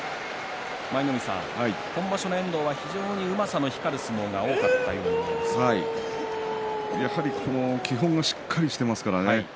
舞の海さん、今場所の遠藤は非常にうまさが光る相撲がやっぱり基本がしっかりしていますからね。